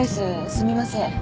すみません